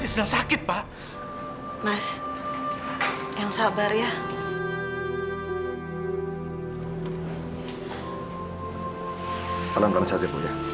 selamat malam siasat ibu ya